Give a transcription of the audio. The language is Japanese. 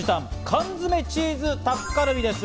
缶詰チーズタッカルビです。